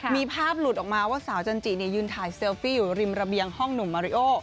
มีภาพหลุดออกมาว่าสาวจันจิยืนถ่ายเซลฟี่อยู่ริมระเบียงห้องหนุ่มมาริโอ